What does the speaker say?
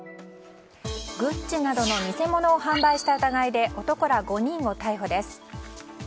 グッチなどの偽物を販売した疑いで男ら５人を逮捕です。